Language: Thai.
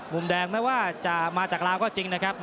มุมแดงไม่ว่าจะมาจากลาวก็จริงนะครับ